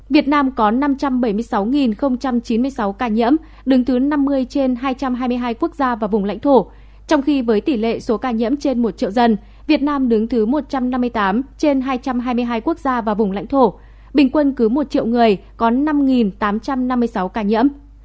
việt nam có năm trăm bảy mươi sáu chín mươi sáu ca nhiễm đứng thứ năm mươi trên hai trăm hai mươi hai quốc gia và vùng lãnh thổ trong khi với tỷ lệ số ca nhiễm trên một triệu dân việt nam đứng thứ một trăm năm mươi tám trên hai trăm hai mươi hai quốc gia và vùng lãnh thổ bình quân cứ một triệu người có năm tám trăm năm mươi sáu ca nhiễm